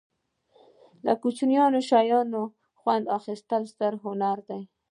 له کوچنیو شیانو خوند اخستل ستر هنر دی.